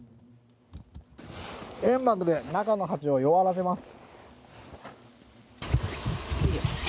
煙幕で中の蜂を弱らせます。